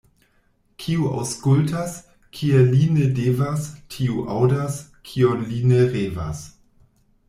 Kiu aŭskultas, kie li ne devas, tiu aŭdas, kion li ne revas.